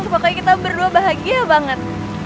pokoknya kita berdua bahagia banget